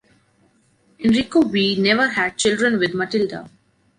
Enrico V never had children with Matilde.